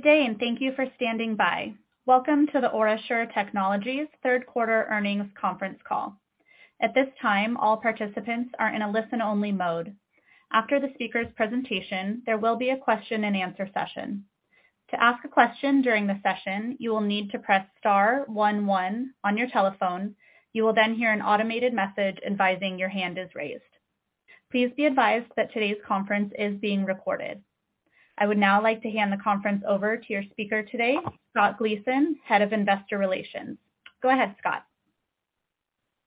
Good day. Thank you for standing by. Welcome to the OraSure Technologies third quarter earnings conference call. At this time, all participants are in a listen-only mode. After the speaker's presentation, there will be a question and answer session. To ask a question during the session, you will need to press star one one on your telephone. You will hear an automated message advising your hand is raised. Please be advised that today's conference is being recorded. I would now like to hand the conference over to your speaker today, Scott Gleason, head of investor relations. Go ahead, Scott.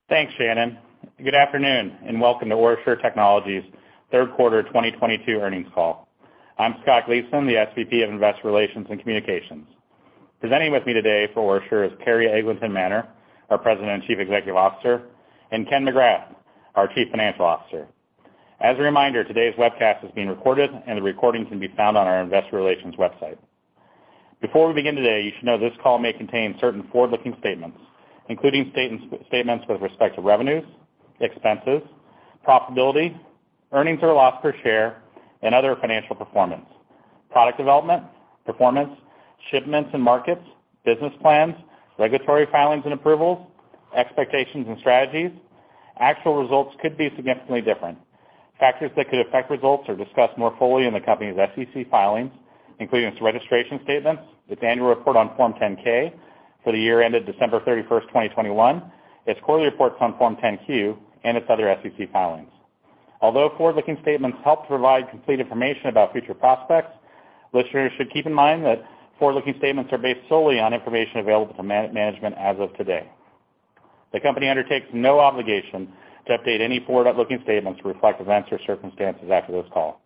Thanks, Shannon. Good afternoon, and welcome to OraSure Technologies' third quarter 2022 earnings call. I'm Scott Gleason, the SVP of Investor Relations and Communications. Presenting with me today for OraSure is Carrie Eglinton Manner, our President and Chief Executive Officer, and Kenneth McGrath, our Chief Financial Officer. As a reminder, today's webcast is being recorded, and the recording can be found on our investor relations website. Before we begin today, you should know this call may contain certain forward-looking statements, including statements with respect to revenues, expenses, profitability, earnings or loss per share, and other financial performance, product development, performance, shipments and markets, business plans, regulatory filings and approvals, expectations, and strategies. Actual results could be significantly different. Factors that could affect results are discussed more fully in the company's SEC filings, including its registration statements, its annual report on Form 10-K for the year ended December 31st, 2021, its quarterly reports on Form 10-Q, and its other SEC filings. Although forward-looking statements help to provide complete information about future prospects, listeners should keep in mind that forward-looking statements are based solely on information available to management as of today. The company undertakes no obligation to update any forward-looking statements to reflect events or circumstances after this call.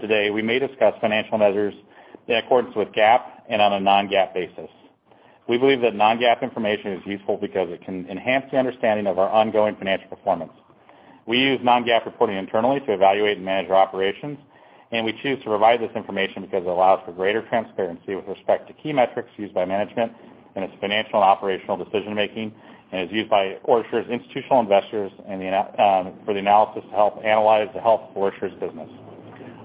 Today, we may discuss financial measures in accordance with GAAP and on a non-GAAP basis. We believe that non-GAAP information is useful because it can enhance the understanding of our ongoing financial performance. We use non-GAAP reporting internally to evaluate and manage our operations, and we choose to provide this information because it allows for greater transparency with respect to key metrics used by management in its financial and operational decision-making, and is used by OraSure's institutional investors for the analysis to help analyze the health of OraSure's business.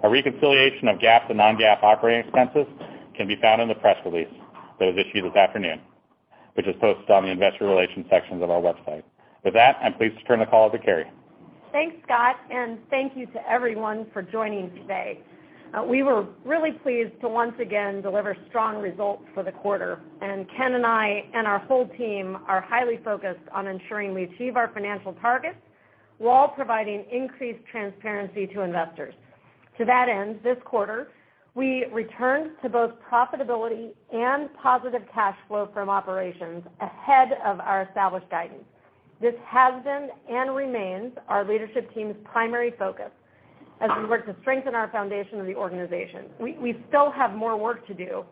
A reconciliation of GAAP to non-GAAP operating expenses can be found in the press release that was issued this afternoon, which is posted on the investor relations sections of our website. With that, I'm pleased to turn the call to Carrie. Thanks, Scott, and thank you to everyone for joining today. We were really pleased to once again deliver strong results for the quarter, and Ken and I and our whole team are highly focused on ensuring we achieve our financial targets while providing increased transparency to investors. To that end, this quarter, we returned to both profitability and positive cash flow from operations ahead of our established guidance. This has been and remains our leadership team's primary focus as we work to strengthen our foundation of the organization. We still have more work to do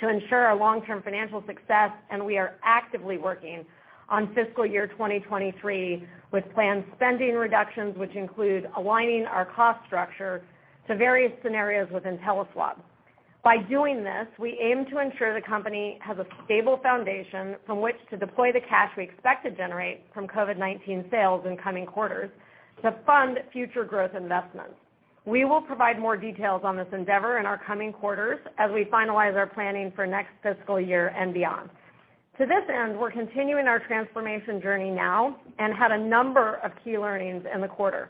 to ensure our long-term financial success, and we are actively working on fiscal year 2023 with planned spending reductions, which include aligning our cost structure to various scenarios with InteliSwab. By doing this, we aim to ensure the company has a stable foundation from which to deploy the cash we expect to generate from COVID-19 sales in coming quarters to fund future growth investments. We will provide more details on this endeavor in our coming quarters as we finalize our planning for next fiscal year and beyond. To this end, we're continuing our transformation journey now and had a number of key learnings in the quarter.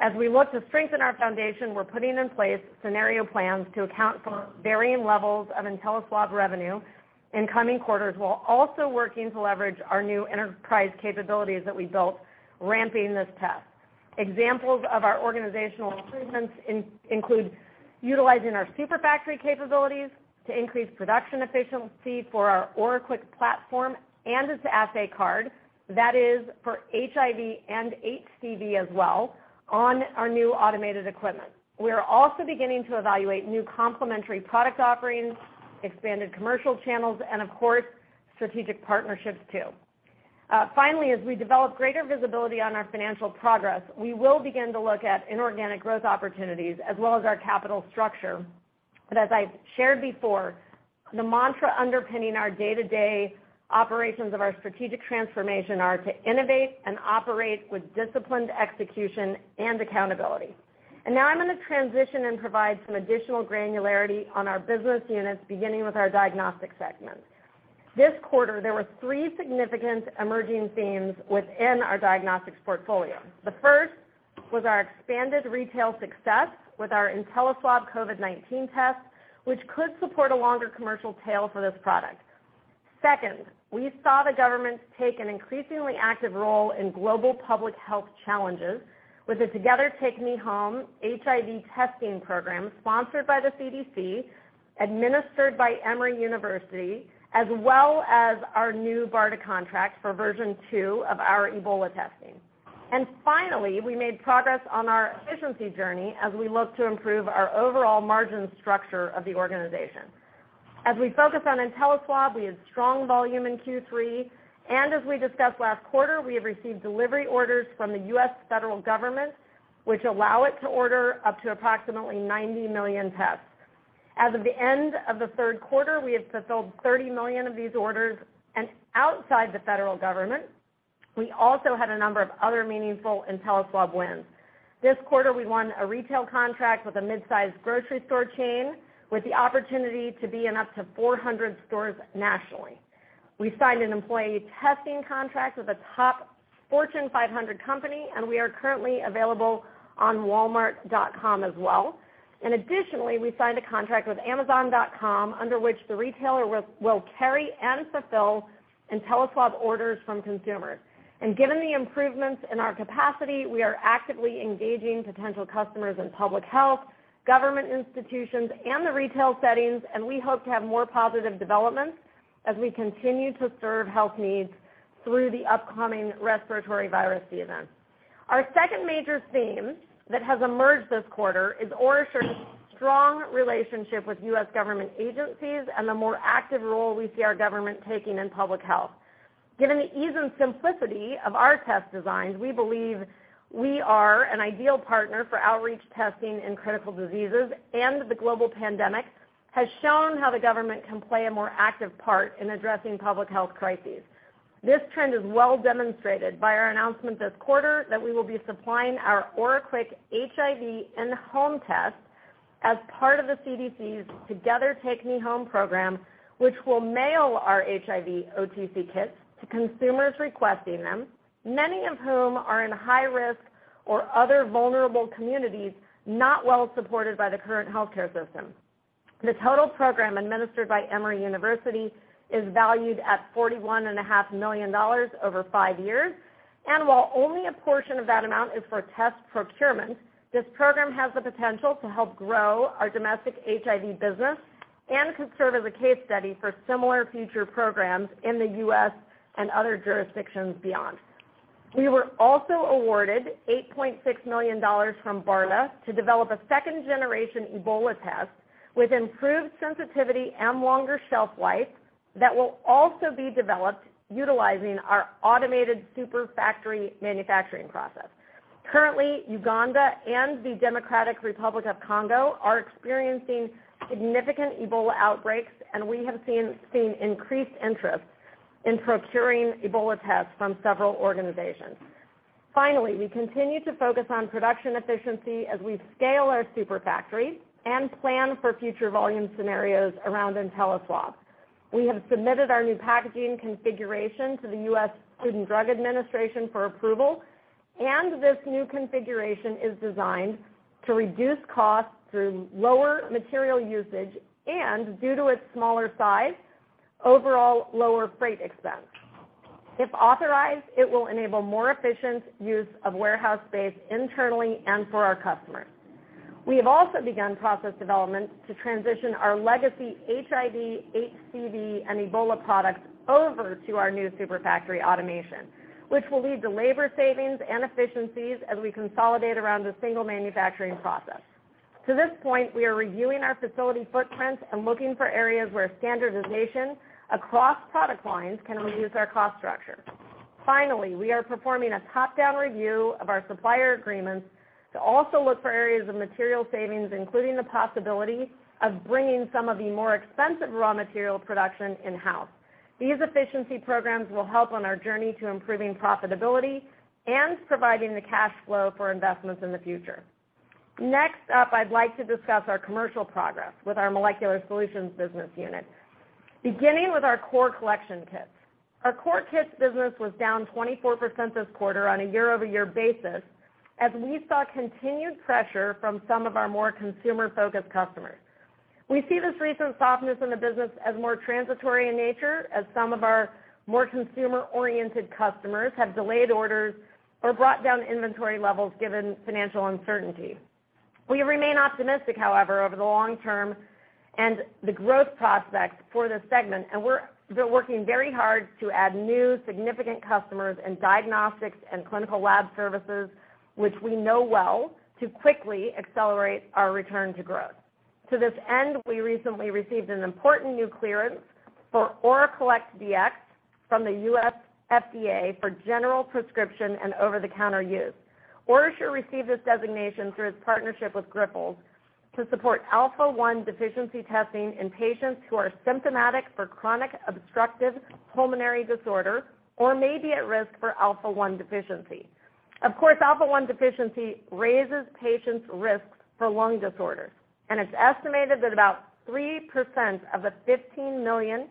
As we look to strengthen our foundation, we're putting in place scenario plans to account for varying levels of InteliSwab revenue in coming quarters, while also working to leverage our new enterprise capabilities that we built ramping this test. Examples of our organizational improvements include utilizing our super factory capabilities to increase production efficiency for our OraQuick platform and its assay card, that is for HIV and HCV as well, on our new automated equipment. We are also beginning to evaluate new complementary product offerings, expanded commercial channels, and of course, strategic partnerships too. Finally, as we develop greater visibility on our financial progress, we will begin to look at inorganic growth opportunities as well as our capital structure. As I've shared before, the mantra underpinning our day-to-day operations of our strategic transformation are to innovate and operate with disciplined execution and accountability. Now I'm going to transition and provide some additional granularity on our business units, beginning with our diagnostics segment. This quarter, there were three significant emerging themes within our diagnostics portfolio. The first was our expanded retail success with our InteliSwab COVID-19 test, which could support a longer commercial tail for this product. Second, we saw the government take an increasingly active role in global public health challenges with the Together TakeMeHome HIV testing program sponsored by the CDC, administered by Emory University, as well as our new BARDA contract for version 2 of our Ebola testing. Finally, we made progress on our efficiency journey as we look to improve our overall margin structure of the organization. As we focus on InteliSwab, we had strong volume in Q3, and as we discussed last quarter, we have received delivery orders from the U.S. federal government, which allow it to order up to approximately 90 million tests. As of the end of the third quarter, we have fulfilled $30 million of these orders. Outside the federal government, we also had a number of other meaningful InteliSwab wins. This quarter, we won a retail contract with a mid-size grocery store chain with the opportunity to be in up to 400 stores nationally. We signed an employee testing contract with a top Fortune 500 company, and we are currently available on walmart.com as well. Additionally, we signed a contract with amazon.com, under which the retailer will carry and fulfill InteliSwab orders from consumers. Given the improvements in our capacity, we are actively engaging potential customers in public health, government institutions, and the retail settings, and we hope to have more positive developments as we continue to serve health needs through the upcoming respiratory virus season. Our second major theme that has emerged this quarter is OraSure's strong relationship with U.S. government agencies and the more active role we see our government taking in public health. Given the ease and simplicity of our test designs, we believe we are an ideal partner for outreach testing in critical diseases, and the global pandemic has shown how the government can play a more active part in addressing public health crises. This trend is well demonstrated by our announcement this quarter that we will be supplying our OraQuick In-Home HIV Test as part of the CDC's Together TakeMeHome program, which will mail our HIV OTC kits to consumers requesting them, many of whom are in high-risk or other vulnerable communities not well supported by the current healthcare system. The total program, administered by Emory University, is valued at $41.5 million over 5 years. While only a portion of that amount is for test procurement, this program has the potential to help grow our domestic HIV business and could serve as a case study for similar future programs in the U.S. and other jurisdictions beyond. We were also awarded $8.6 million from BARDA to develop a second-generation Ebola test with improved sensitivity and longer shelf life that will also be developed utilizing our automated super factory manufacturing process. Currently, Uganda and the Democratic Republic of Congo are experiencing significant Ebola outbreaks, and we have seen increased interest in procuring Ebola tests from several organizations. Finally, we continue to focus on production efficiency as we scale our super factory and plan for future volume scenarios around InteliSwab. We have submitted our new packaging configuration to the U.S. Food and Drug Administration for approval. This new configuration is designed to reduce costs through lower material usage and, due to its smaller size, overall lower freight expense. If authorized, it will enable more efficient use of warehouse space internally and for our customers. We have also begun process development to transition our legacy HIV, HCV, and Ebola products over to our new super factory automation, which will lead to labor savings and efficiencies as we consolidate around a single manufacturing process. To this point, we are reviewing our facility footprints and looking for areas where standardization across product lines can reduce our cost structure. Finally, we are performing a top-down review of our supplier agreements to also look for areas of material savings, including the possibility of bringing some of the more expensive raw material production in-house. These efficiency programs will help on our journey to improving profitability and providing the cash flow for investments in the future. Next up, I'd like to discuss our commercial progress with our molecular solutions business unit, beginning with our core collection kits. Our core kits business was down 24% this quarter on a year-over-year basis, as we saw continued pressure from some of our more consumer-focused customers. We see this recent softness in the business as more transitory in nature, as some of our more consumer-oriented customers have delayed orders or brought down inventory levels, given financial uncertainty. We remain optimistic, however, over the long term, and the growth prospects for this segment, and we're working very hard to add new significant customers in diagnostics and clinical lab services, which we know well, to quickly accelerate our return to growth. To this end, we recently received an important new clearance for ORAcollect•Dx from the U.S. FDA for general prescription and over-the-counter use. OraSure received this designation through its partnership with Grifols to support alpha-1 deficiency testing in patients who are symptomatic for chronic obstructive pulmonary disorder or may be at risk for alpha-1 deficiency. Of course, alpha-1 deficiency raises patients' risks for lung disorders, and it's estimated that about 3% of the 15 million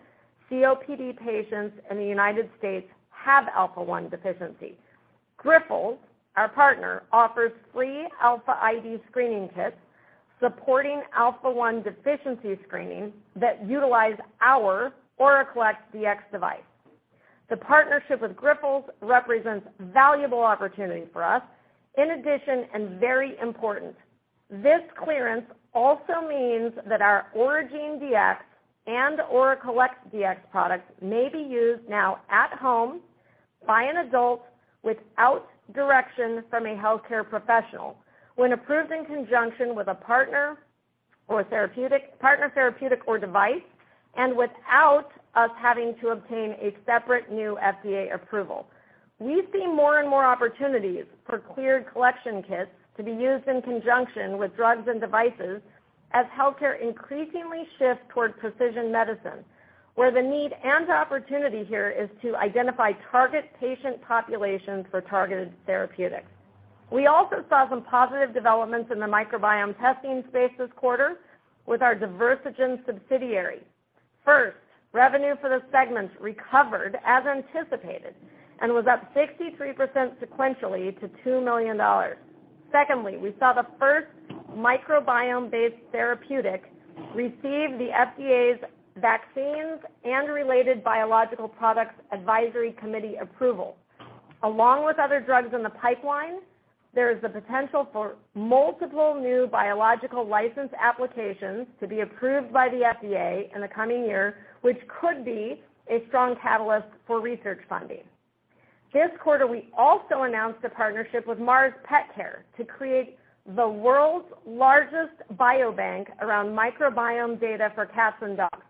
COPD patients in the United States have alpha-1 deficiency. Grifols, our partner, offers free AlphaID screening kits supporting alpha-1 deficiency screening that utilize our ORAcollect•Dx device. The partnership with Grifols represents valuable opportunity for us. In addition, and very important, this clearance also means that our Oragene•Dx and ORAcollect•Dx products may be used now at home by an adult without direction from a healthcare professional when approved in conjunction with a partner therapeutic or device, and without us having to obtain a separate new FDA approval. We see more and more opportunities for cleared collection kits to be used in conjunction with drugs and devices as healthcare increasingly shifts towards precision medicine, where the need and opportunity here is to identify target patient populations for targeted therapeutics. We also saw some positive developments in the microbiome testing space this quarter with our Diversigen subsidiary. First, revenue for the segment recovered as anticipated and was up 63% sequentially to $2 million. Secondly, we saw the first microbiome-based therapeutic receive the FDA's Vaccines and Related Biological Products Advisory Committee approval. Along with other drugs in the pipeline, there is the potential for multiple new biological license applications to be approved by the FDA in the coming year, which could be a strong catalyst for research funding. This quarter, we also announced a partnership with Mars Petcare to create the world's largest biobank around microbiome data for cats and dogs.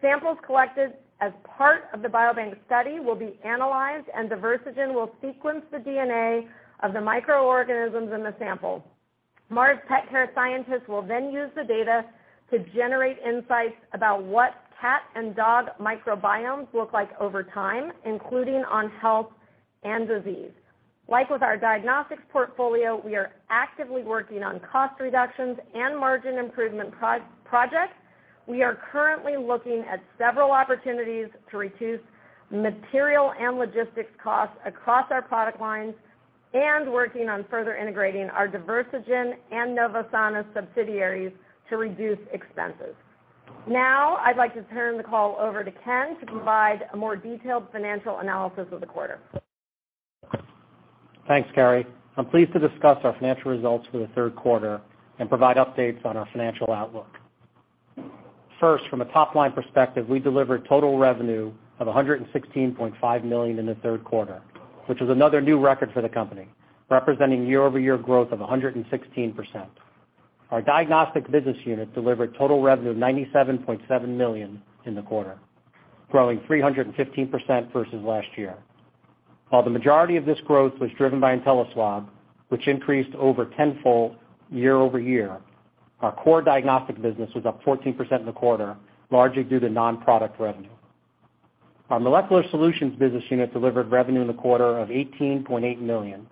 Samples collected as part of the biobank study will be analyzed, and Diversigen will sequence the DNA of the microorganisms in the sample. Mars Petcare scientists will then use the data to generate insights about what cat and dog microbiomes look like over time, including on health and disease. Like with our diagnostics portfolio, we are actively working on cost reductions and margin improvement projects. We are currently looking at several opportunities to reduce material and logistics costs across our product lines and working on further integrating our Diversigen and Novosanis subsidiaries to reduce expenses. I'd like to turn the call over to Ken to provide a more detailed financial analysis of the quarter. Thanks, Carrie. I'm pleased to discuss our financial results for the third quarter and provide updates on our financial outlook. First, from a top-line perspective, we delivered total revenue of $116.5 million in the third quarter, which is another new record for the company, representing year-over-year growth of 116%. Our diagnostic business unit delivered total revenue of $97.7 million in the quarter, growing 315% versus last year. While the majority of this growth was driven by InteliSwab, which increased over tenfold year-over-year, our core diagnostic business was up 14% in the quarter, largely due to non-product revenue. Our molecular solutions business unit delivered revenue in the quarter of $18.8 million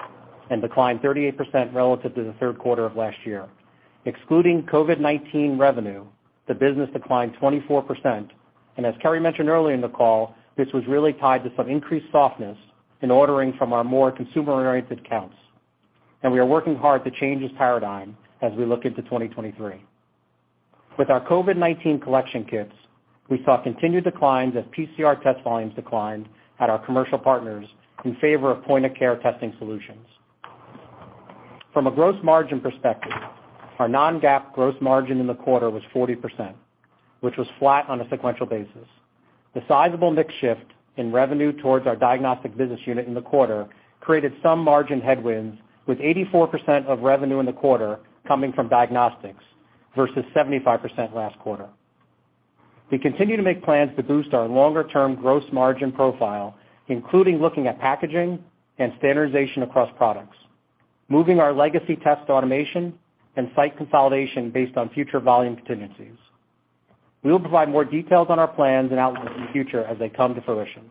and declined 38% relative to the third quarter of last year. Excluding COVID-19 revenue, the business declined 24%, as Carrie mentioned earlier in the call, this was really tied to some increased softness in ordering from our more consumer-oriented accounts. We are working hard to change this paradigm as we look into 2023. With our COVID-19 collection kits, we saw continued declines as PCR test volumes declined at our commercial partners in favor of point-of-care testing solutions. From a gross margin perspective, our non-GAAP gross margin in the quarter was 40%, which was flat on a sequential basis. The sizable mix shift in revenue towards our diagnostic business unit in the quarter created some margin headwinds with 84% of revenue in the quarter coming from diagnostics versus 75% last quarter. We continue to make plans to boost our longer-term gross margin profile, including looking at packaging and standardization across products, moving our legacy test automation, and site consolidation based on future volume contingencies. We will provide more details on our plans and outlook in the future as they come to fruition.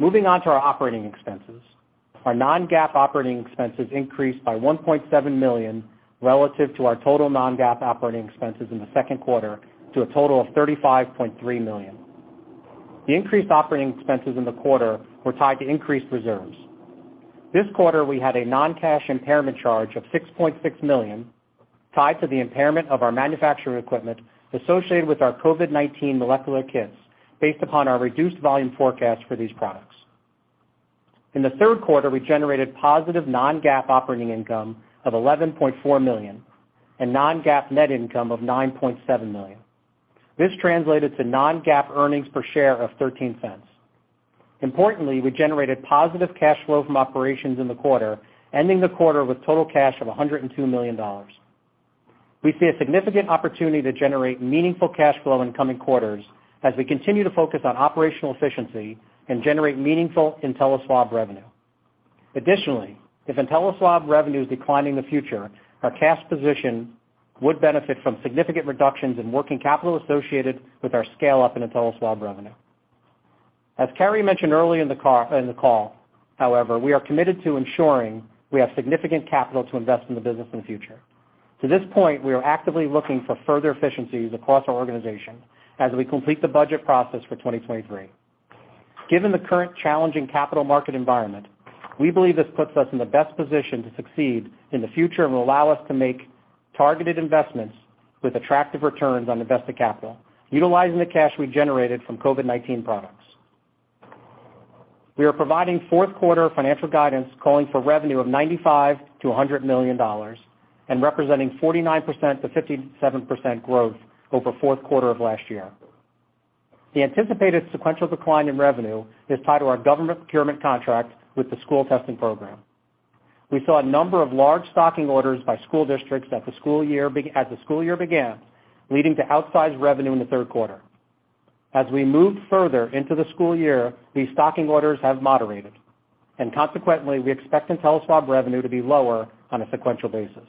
Moving on to our operating expenses. Our non-GAAP operating expenses increased by $1.7 million relative to our total non-GAAP operating expenses in the second quarter to a total of $35.3 million. The increased operating expenses in the quarter were tied to increased reserves. This quarter, we had a non-cash impairment charge of $6.6 million tied to the impairment of our manufacturing equipment associated with our COVID-19 molecular kits, based upon our reduced volume forecast for these products. In the third quarter, we generated positive non-GAAP operating income of $11.4 million and non-GAAP net income of $9.7 million. This translated to non-GAAP earnings per share of $0.13. Importantly, we generated positive cash flow from operations in the quarter, ending the quarter with total cash of $102 million. We see a significant opportunity to generate meaningful cash flow in coming quarters as we continue to focus on operational efficiency and generate meaningful InteliSwab revenue. Additionally, if InteliSwab revenue is declining in the future, our cash position would benefit from significant reductions in working capital associated with our scale-up in InteliSwab revenue. As Carrie mentioned earlier in the call, however, we are committed to ensuring we have significant capital to invest in the business in the future. To this point, we are actively looking for further efficiencies across our organization as we complete the budget process for 2023. Given the current challenging capital market environment, we believe this puts us in the best position to succeed in the future and will allow us to make targeted investments with attractive returns on invested capital, utilizing the cash we generated from COVID-19 products. We are providing fourth quarter financial guidance calling for revenue of $95 million to $100 million and representing 49%-57% growth over fourth quarter of last year. The anticipated sequential decline in revenue is tied to our government procurement contract with the school testing program. We saw a number of large stocking orders by school districts as the school year began, leading to outsized revenue in the third quarter. As we move further into the school year, these stocking orders have moderated, and consequently, we expect InteliSwab revenue to be lower on a sequential basis.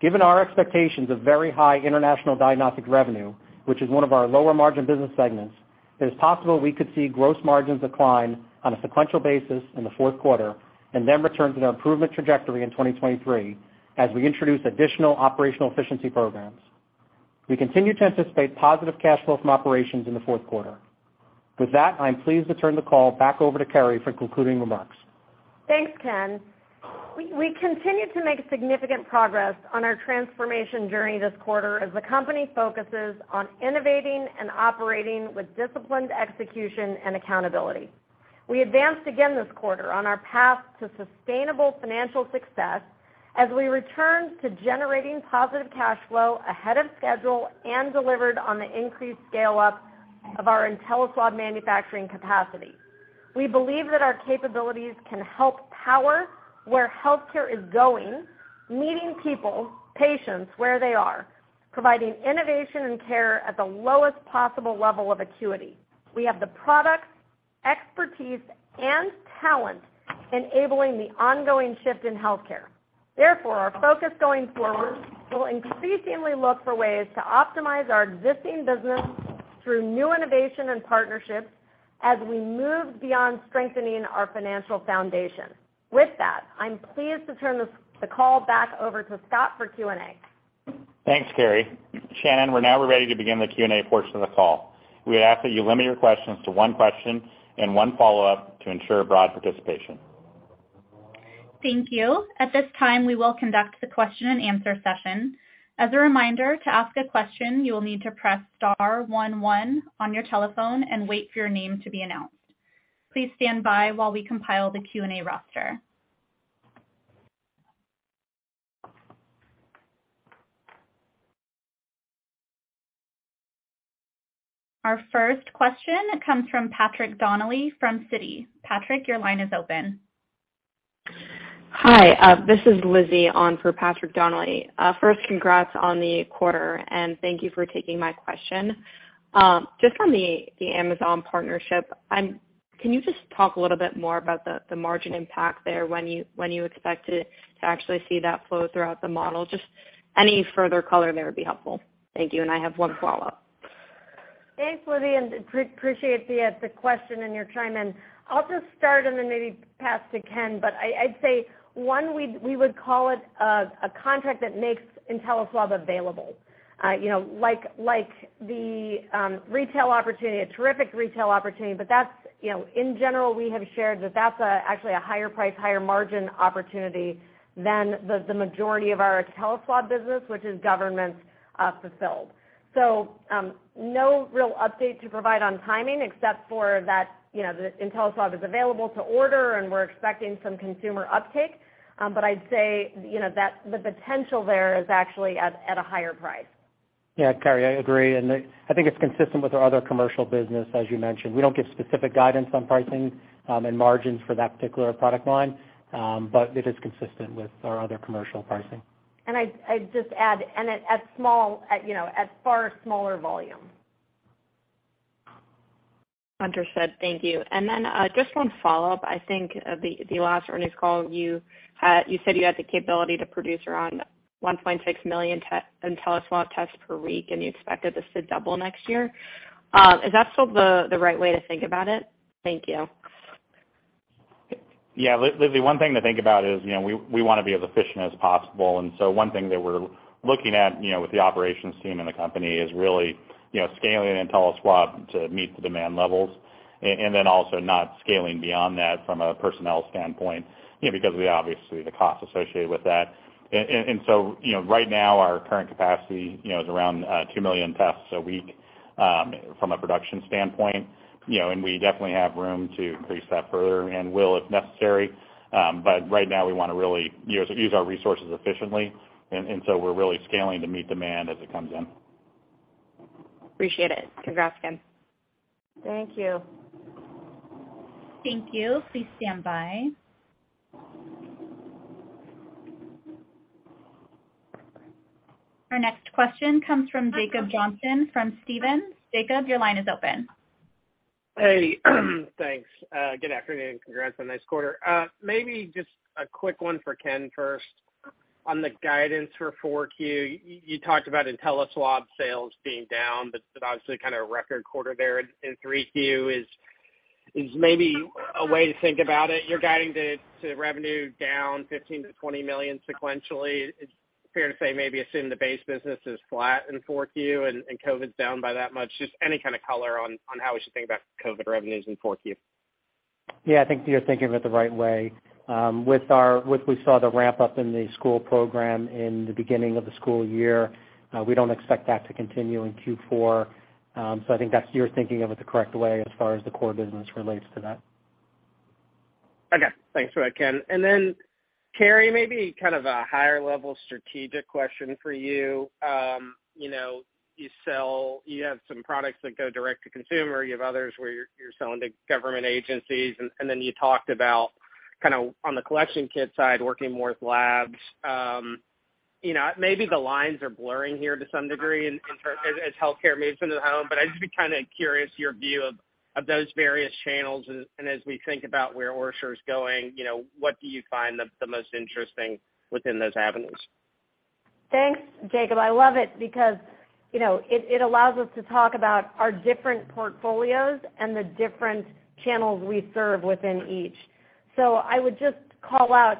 Given our expectations of very high international diagnostic revenue, which is one of our lower margin business segments, it is possible we could see gross margins decline on a sequential basis in the fourth quarter and then return to their improvement trajectory in 2023 as we introduce additional operational efficiency programs. We continue to anticipate positive cash flow from operations in the fourth quarter. With that, I'm pleased to turn the call back over to Carrie for concluding remarks. Thanks, Ken. We continue to make significant progress on our transformation journey this quarter as the company focuses on innovating and operating with disciplined execution and accountability. We advanced again this quarter on our path to sustainable financial success as we returned to generating positive cash flow ahead of schedule and delivered on the increased scale-up of our InteliSwab manufacturing capacity. We believe that our capabilities can help power where healthcare is going, meeting people, patients where they are, providing innovation and care at the lowest possible level of acuity. We have the products, expertise, and talent enabling the ongoing shift in healthcare. Our focus going forward will increasingly look for ways to optimize our existing business through new innovation and partnerships as we move beyond strengthening our financial foundation. With that, I'm pleased to turn the call back over to Scott for Q&A. Thanks, Carrie. Shannon, we're now ready to begin the Q&A portion of the call. We ask that you limit your questions to one question and one follow-up to ensure broad participation. Thank you. At this time, we will conduct the question and answer session. As a reminder, to ask a question, you will need to press star one one on your telephone and wait for your name to be announced. Please stand by while we compile the Q&A roster. Our first question comes from Patrick Donnelly from Citi. Patrick, your line is open. Hi, this is Lizzie on for Patrick Donnelly. First, congrats on the quarter, and thank you for taking my question. On the Amazon partnership, can you just talk a little bit more about the margin impact there, when you expect to actually see that flow throughout the model? Any further color there would be helpful. Thank you, and I have one follow-up. Thanks, Lizzie. Appreciate the question and your time. I'll just start and then maybe pass to Ken. I'd say, one, we would call it a contract that makes InteliSwab available. Like the retail opportunity, a terrific retail opportunity, but in general, we have shared that that's actually a higher price, higher margin opportunity than the majority of our InteliSwab business, which is government-fulfilled. No real update to provide on timing, except for that the InteliSwab is available to order and we're expecting some consumer uptake. I'd say the potential there is actually at a higher price. Yeah, Carrie, I agree. I think it's consistent with our other commercial business as you mentioned. We don't give specific guidance on pricing and margins for that particular product line. It is consistent with our other commercial pricing. I'd just add, at far smaller volume. Understood. Thank you. Then, just one follow-up. I think the last earnings call, you said you had the capability to produce around 1.6 million InteliSwab tests per week. You expected this to double next year. Is that still the right way to think about it? Thank you. Yeah, Lizzie, one thing to think about is we want to be as efficient as possible. One thing that we're looking at with the operations team in the company is really scaling InteliSwab to meet the demand levels, also not scaling beyond that from a personnel standpoint because obviously the cost associated with that. Right now, our current capacity is around 2 million tests a week from a production standpoint. We definitely have room to increase that further and will if necessary. Right now, we want to really use our resources efficiently. We're really scaling to meet demand as it comes in. Appreciate it. Congrats again. Thank you. Thank you. Please stand by. Our next question comes from Jacob Johnson from Stephens. Jacob, your line is open. Hey. Thanks. Good afternoon, and congrats on this quarter. Maybe just a quick one for Ken first. On the guidance for four Q, you talked about InteliSwab sales being down, but obviously kind of a record quarter there in three Q is maybe a way to think about it. You're guiding to revenue down $15 million-$20 million sequentially. It's fair to say maybe assume the base business is flat in four Q and COVID's down by that much. Just any kind of color on how we should think about COVID revenues in four Q. I think you're thinking of it the right way. We saw the ramp-up in the school program in the beginning of the school year, we don't expect that to continue in Q4. I think that you're thinking of it the correct way as far as the core business relates to that. Okay. Thanks for that, Ken. Carrie, maybe kind of a higher-level strategic question for you. You have some products that go direct to consumer. You have others where you're selling to government agencies, and then you talked about kind of on the collection kit side, working more with labs. Maybe the lines are blurring here to some degree as healthcare moves into the home, but I'd just be curious your view of those various channels and as we think about where OraSure's going, what do you find the most interesting within those avenues? Thanks, Jacob. I love it because it allows us to talk about our different portfolios and the different channels we serve within each. I would just call out,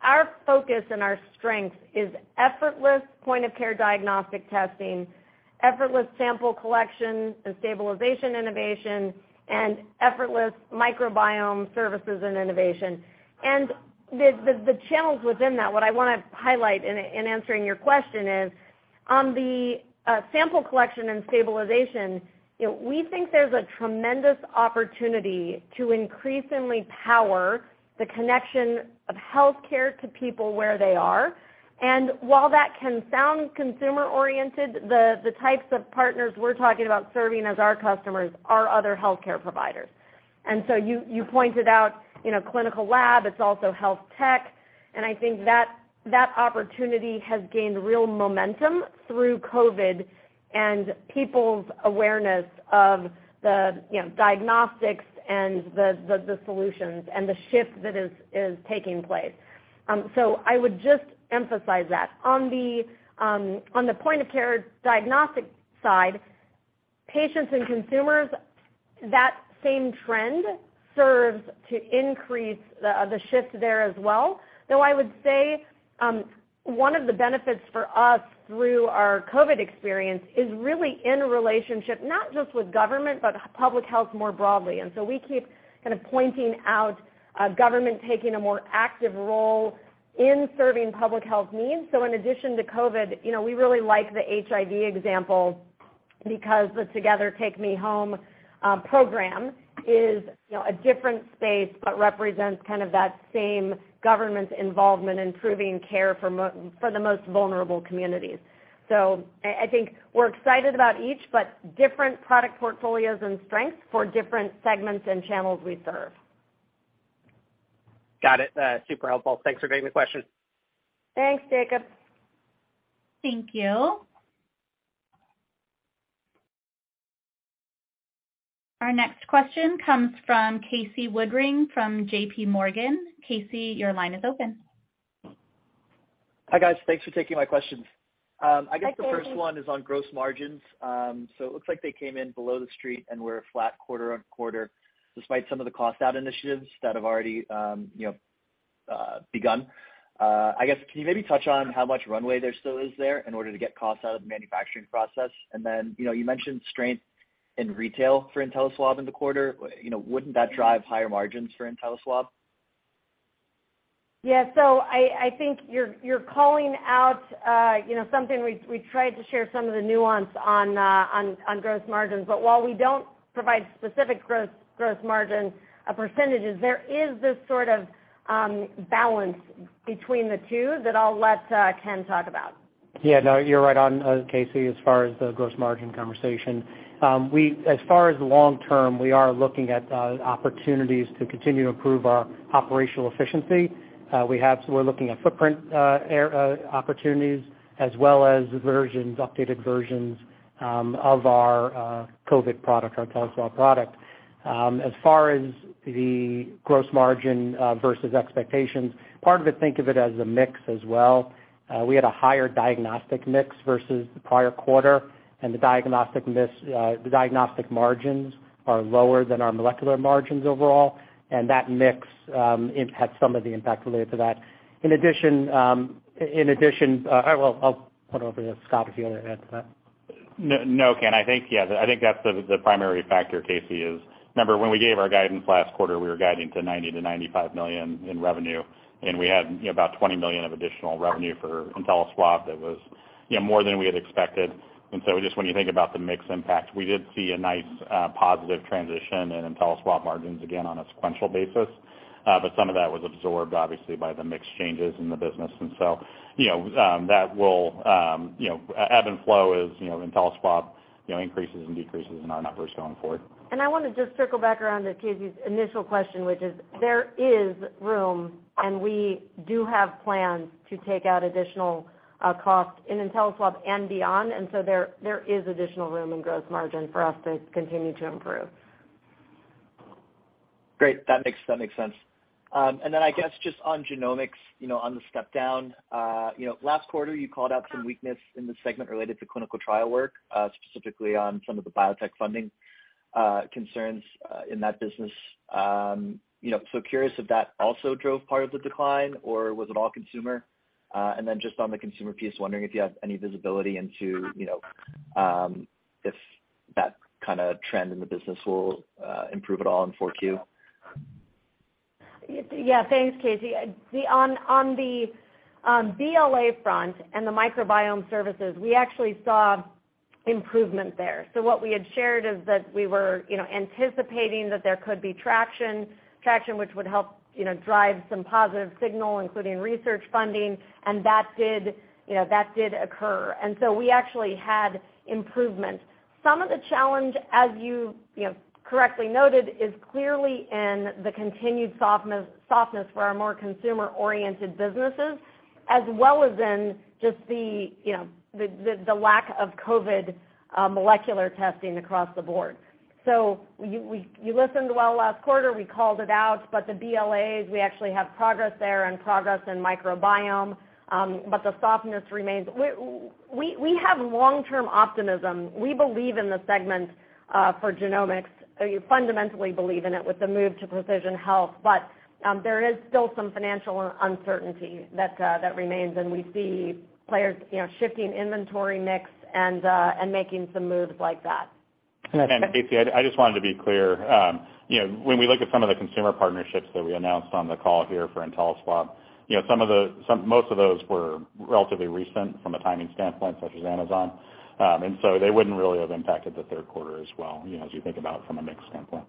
our focus and our strength is effortless point-of-care diagnostic testing, effortless sample collection and stabilization innovation, and effortless microbiome services and innovation. The channels within that, what I want to highlight in answering your question is, on the sample collection and stabilization, we think there's a tremendous opportunity to increasingly power the connection of healthcare to people where they are. While that can sound consumer-oriented, the types of partners we're talking about serving as our customers are other healthcare providers. You pointed out clinical lab, it's also health tech. I think that opportunity has gained real momentum through COVID and people's awareness of the diagnostics and the solutions and the shift that is taking place. I would just emphasize that. On the point-of-care diagnostic side, patients and consumers, that same trend serves to increase the shift there as well. Though I would say one of the benefits for us through our COVID experience is really in relationship, not just with government, but public health more broadly. We keep kind of pointing out government taking a more active role in serving public health needs. In addition to COVID, we really like the HIV example because the Together TakeMeHome program is a different space, but represents kind of that same government involvement in improving care for the most vulnerable communities. I think we're excited about each, but different product portfolios and strengths for different segments and channels we serve. Got it. Super helpful. Thanks for taking the question. Thanks, Jacob. Thank you. Our next question comes from Casey Woodring from J.P. Morgan. Casey, your line is open. Hi, guys. Thanks for taking my questions. Hi, Casey. I guess the first one is on gross margins. It looks like they came in below the street and were flat quarter-on-quarter, despite some of the cost-out initiatives that have already begun. I guess, can you maybe touch on how much runway there still is there in order to get costs out of the manufacturing process? You mentioned strength in retail for InteliSwab in the quarter. Wouldn't that drive higher margins for InteliSwab? Yeah. I think you're calling out something we tried to share some of the nuance on gross margins. While we don't provide specific gross margin percentages, there is this sort of balance between the two that I'll let Ken talk about. Yeah. No, you're right on, Casey, as far as the gross margin conversation. As far as the long term, we are looking at opportunities to continue to improve our operational efficiency. We're looking at footprint opportunities as well as versions, updated versions, of our COVID product, our InteliSwab product. As far as the gross margin versus expectations, part of it, think of it as a mix as well. We had a higher diagnostic mix versus the prior quarter, and the diagnostic margins are lower than our molecular margins overall, and that mix had some of the impact related to that. In addition, I'll put it over to Scott, if he wanted to add to that. No, Ken, I think that's the primary factor, Casey, is remember when we gave our guidance last quarter, we were guiding to $90 million-$95 million in revenue, we had about $20 million of additional revenue for InteliSwab that was more than we had expected. Just when you think about the mix impact, we did see a nice positive transition in InteliSwab margins again on a sequential basis. Some of that was absorbed, obviously, by the mix changes in the business. Ebb and flow is InteliSwab increases and decreases in our numbers going forward. I want to just circle back around to Casey's initial question, which is there is room, and we do have plans to take out additional cost in InteliSwab and beyond. There is additional room and gross margin for us to continue to improve. Great. That makes sense. Then I guess just on genomics, on the step down, last quarter you called out some weakness in the segment related to clinical trial work, specifically on some of the biotech funding concerns in that business. Curious if that also drove part of the decline or was it all consumer? Then just on the consumer piece, wondering if you have any visibility into if that kind of trend in the business will improve at all in 4Q. Thanks, Casey. On the BLA front and the microbiome services, we actually saw improvement there. What we had shared is that we were anticipating that there could be traction, which would help drive some positive signal, including research funding. That did occur. We actually had improvement. Some of the challenge, as you correctly noted, is clearly in the continued softness for our more consumer-oriented businesses. As well as in just the lack of COVID molecular testing across the board. You listened well last quarter, we called it out, the BLAs, we actually have progress there and progress in microbiome, the softness remains. We have long-term optimism. We believe in the segment for genomics. We fundamentally believe in it with the move to precision health. There is still some financial uncertainty that remains, and we see players shifting inventory mix and making some moves like that. Casey, I just wanted to be clear. When we look at some of the consumer partnerships that we announced on the call here for InteliSwab, most of those were relatively recent from a timing standpoint, such as Amazon. They wouldn't really have impacted the third quarter as well as you think about from a mix standpoint.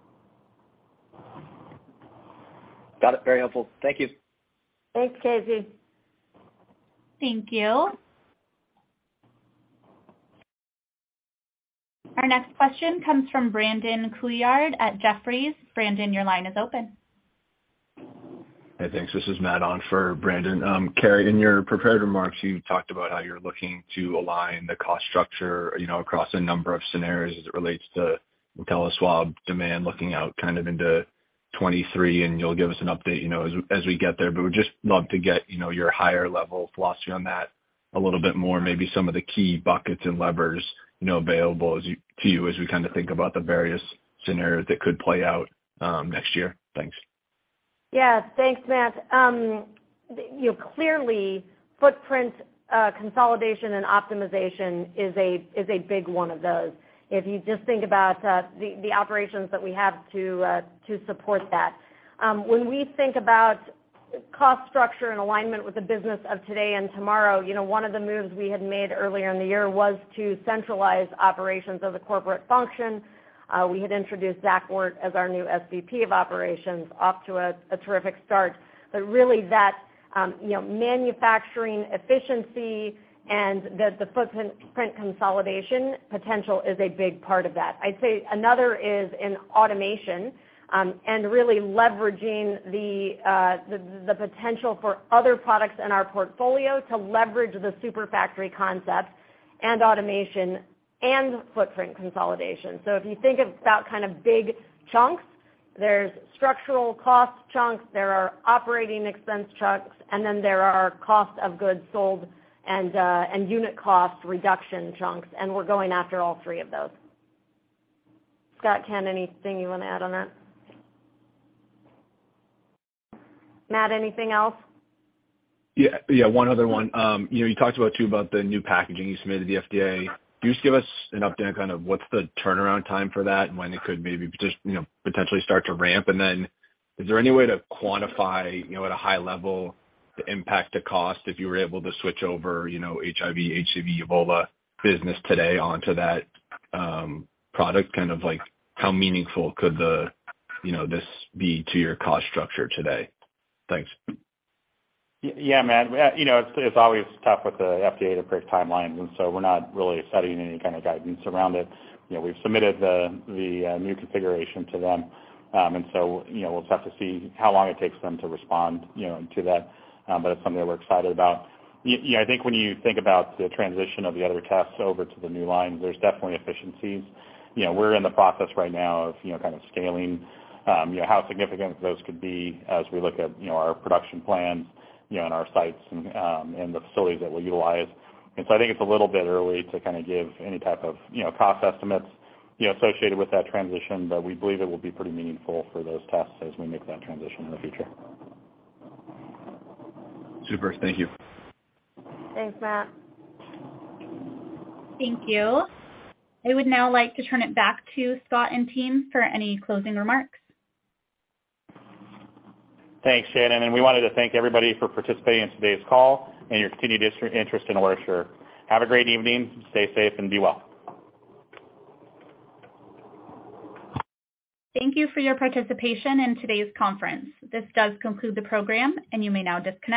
Got it. Very helpful. Thank you. Thanks, Casey. Thank you. Our next question comes from Brandon Couillard at Jefferies. Brandon, your line is open. Hey, thanks. This is Matt on for Brandon. Carrie, in your prepared remarks, you talked about how you're looking to align the cost structure across a number of scenarios as it relates to InteliSwab demand, looking out into 2023, and you'll give us an update as we get there. Would just love to get your higher level philosophy on that a little bit more, maybe some of the key buckets and levers available to you as we think about the various scenarios that could play out next year. Thanks. Yeah. Thanks, Matt. Clearly, footprint consolidation and optimization is a big one of those, if you just think about the operations that we have to support that. When we think about cost structure and alignment with the business of today and tomorrow, one of the moves we had made earlier in the year was to centralize operations of the corporate function. We had introduced Zachary Wert as our new SVP of operations, off to a terrific start. Really that manufacturing efficiency and the footprint consolidation potential is a big part of that. I'd say another is in automation, really leveraging the potential for other products in our portfolio to leverage the super factory concept and automation and footprint consolidation. If you think about big chunks, there's structural cost chunks, there are operating expense chunks, then there are cost of goods sold and unit cost reduction chunks, and we're going after all three of those. Scott, Ken, anything you want to add on that? Matt, anything else? One other one. You talked about the new packaging you submitted to the FDA. Can you give us an update on what's the turnaround time for that, and when it could maybe potentially start to ramp? Is there any way to quantify at a high level the impact to cost if you were able to switch over HIV, HCV, Ebola business today onto that product? How meaningful could this be to your cost structure today? Thanks. Matt. It's always tough with the FDA to predict timelines. We're not really setting any kind of guidance around it. We've submitted the new configuration to them. We'll have to see how long it takes them to respond to that. It's something that we're excited about. I think when you think about the transition of the other tests over to the new line, there's definitely efficiencies. We're in the process right now of scaling how significant those could be as we look at our production plans and our sites and the facilities that we'll utilize. I think it's a little bit early to give any type of cost estimates associated with that transition. We believe it will be pretty meaningful for those tests as we make that transition in the future. Super. Thank you. Thanks, Matt. Thank you. I would now like to turn it back to Scott and team for any closing remarks. Thanks, Shannon. We wanted to thank everybody for participating in today's call and your continued interest in OraSure. Have a great evening. Stay safe and be well. Thank you for your participation in today's conference. This does conclude the program. You may now disconnect.